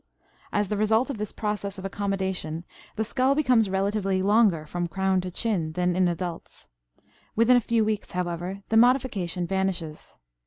As the result of this process of accommodation the skull becomes relatively longer from crown to chin than in adults. Within a few weeks, however, the modification vanishes.